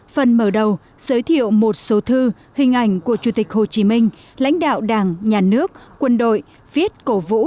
phần mở đầu giới thiệu một số thư hình ảnh của chủ tịch hồ chí minh lãnh đạo đảng nhà nước quân đội viết cổ vũ